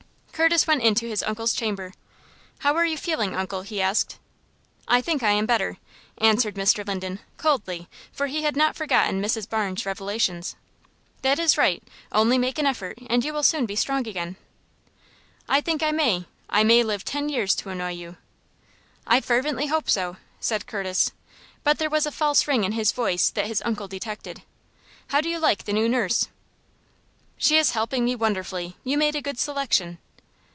Curtis went into his uncle's chamber. "How are you feeling, uncle?" he asked. "I think I am better," answered Mr. Linden, coldly, for he had not forgotten Mrs. Barnes' revelations. "That is right. Only make an effort, and you will soon be strong again." "I think I may. I may live ten years to annoy you." "I fervently hope so," said Curtis, but there was a false ring in his voice that his uncle detected. "How do you like the new nurse?" "She is helping me wonderfully. You made a good selection."